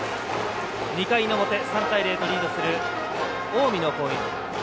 ２回の表、３対０とリードする近江の攻撃。